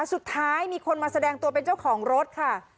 สุดท้ายมีคนมาแสดงตัวเป็นเจ้าของรถค่ะ